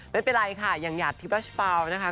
ไม่เป็นไรค่ะอย่างหยาดทิบาชฟาวนะคะ